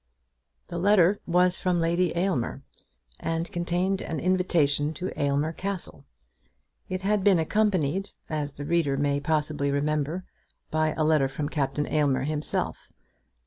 The letter was from Lady Aylmer, and contained an invitation to Aylmer Castle. It had been accompanied, as the reader may possibly remember, by a letter from Captain Aylmer himself.